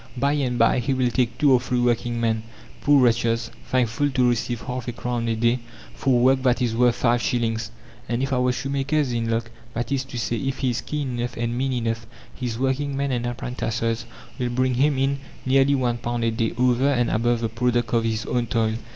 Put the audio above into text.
By and by he will take two or three working men poor wretches, thankful to receive half a crown a day for work that is worth five shillings, and if our shoemaker is "in luck," that is to say, if he is keen enough and mean enough, his working men and apprentices will bring him in nearly one pound a day, over and above the product of his own toil.